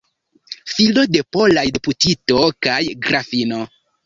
Filo de polaj deputito kaj grafino.